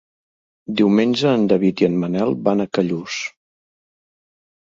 Diumenge en David i en Manel van a Callús.